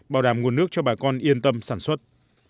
bảo đảm nguồn nước cho bà con yên tâm sản xuất